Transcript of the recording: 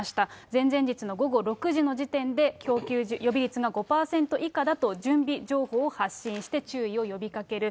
前々日の午後６時の時点で供給予備率が５％以下だと、準備情報を発信して注意を呼びかける。